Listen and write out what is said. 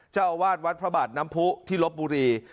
เจ้าอาวาสวัดพระบาทน้ำผู้ที่ลบบุรี